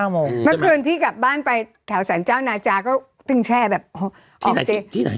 เมื่อคืนพี่กลับบ้านไปแถวสรรค์เจ้านาจาก็ตึงแช้ออกเจจ์